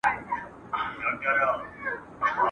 پرښاخونو به مو پېغلي ټالېدلای !.